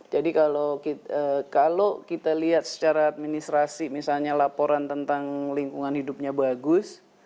jadi kalau kita lihat secara administrasi misalnya laporan tentang lingkungan hidupnya bagus